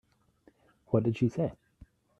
What did she say?